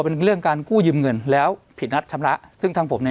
เป็นเรื่องการกู้ยืมเงินแล้วผิดนัดชำระซึ่งทางผมเนี่ย